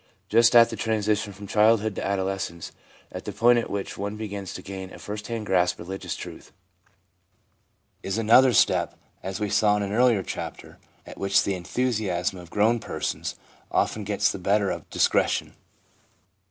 Just at the transition from childhood to adolescence — at the point at which one begins to gain a first hand grasp of religious truth — is another step, as we saw in an earlier chapter, at which the enthusiasm of grown persons often gets the better of discretion.